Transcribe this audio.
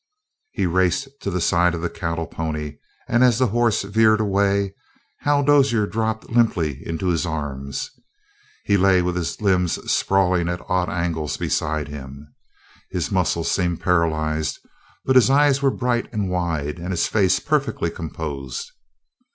He raced to the side of the cattle pony, and, as the horse veered away, Hal Dozier dropped limply into his arms. He lay with his limbs sprawling at odd angles beside him. His muscles seemed paralyzed, but his eyes were bright and wide, and his face perfectly composed.